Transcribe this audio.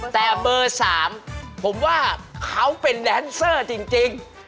แต่เบอร์๓ผมว่าเขาเป็นแลนเซอร์จริง